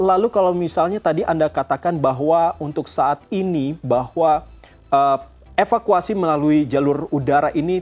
lalu kalau misalnya tadi anda katakan bahwa untuk saat ini bahwa evakuasi melalui jalur udara ini